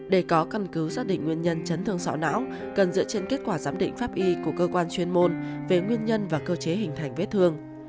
để có căn cứ xác định nguyên nhân chấn thương sọ não cần dựa trên kết quả giám định pháp y của cơ quan chuyên môn về nguyên nhân và cơ chế hình thành vết thương